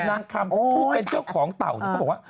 นางคำพูดเป็นเจ้าของเต่าก็บอกว่า